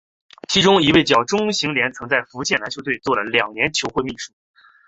其中一位叫钟行廉曾在福建篮球队做了两年球会秘书。